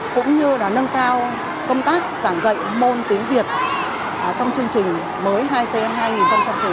cũng như là nâng cao công tác giảng dạy môn tiếng việt trong chương trình mới hai tm hai nghìn một mươi chín